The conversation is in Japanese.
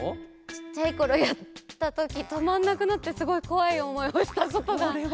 ちっちゃいころやったときとまんなくなってすごいこわいおもいをしたことがある。